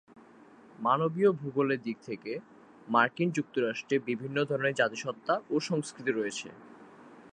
মানবীয় ভূগোলের দিক থেকে মার্কিন যুক্তরাষ্ট্রে বিভিন্ন ধরণের জাতিসত্তা ও সংস্কৃতি রয়েছে।